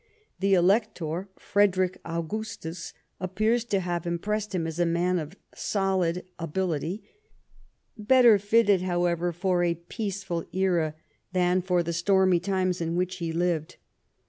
The Elector, Frederick Augustus, appears to have im pressed him as a man of solid ability, better fitted, how ever, for a peaceful era than for the stormy times in which he lived.